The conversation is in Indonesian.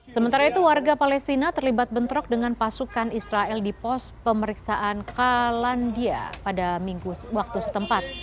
sementara itu warga palestina terlibat bentrok dengan pasukan israel di pos pemeriksaan kalandia pada minggu waktu setempat